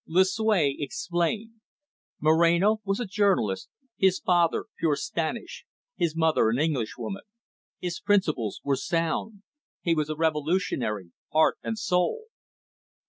Lucue explained. Moreno was a journalist, his father pure Spanish, his mother an Englishwoman. His principles were sound. He was a revolutionary heart and soul.